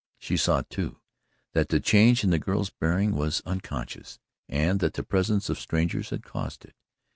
She saw, too, that the change in the girl's bearing was unconscious and that the presence of strangers had caused it.